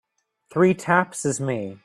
Three taps is me.